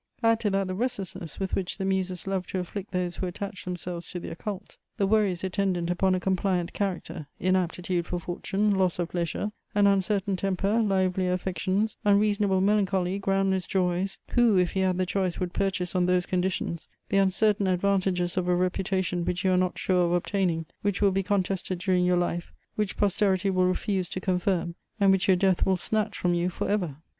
Add to that the restlessness with which the Muses love to afflict those who attach themselves to their cult, the worries attendant upon a compliant character, inaptitude for fortune, loss of leisure, an uncertain temper, livelier affections, unreasonable melancholy, groundless joys: who, if he had the choice, would purchase on those conditions the uncertain advantages of a reputation which you are not sure of obtaining, which will be contested during your life, which posterity will refuse to confirm, and which your death will snatch from you for ever?